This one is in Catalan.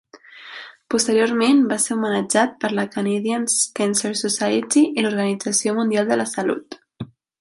Posteriorment va ser homenatjat per la Canadian Cancer Society i l'Organització Mundial de la Salut.